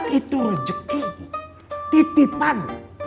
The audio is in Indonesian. kita harus memiliki kekuatan